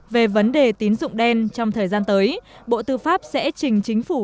về vấn đề tín dụng đen trong thời gian tới bộ tư pháp sẽ trình chính phủ